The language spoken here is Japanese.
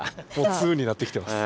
通になってきてます。